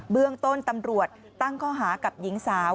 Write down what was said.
เบื้องต้นตำรวจตั้งข้อหากับหญิงสาว